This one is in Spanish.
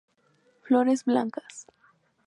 Flores blancas.